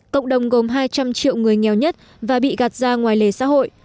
cộng đồng gồm hai trăm linh triệu người nghèo nhất và bị gạt ra ngoài lề xã hội